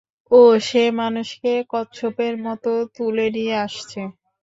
ওহ্, সে মানুষকে কচ্ছপের মতো তুলে নিয়ে আসছে।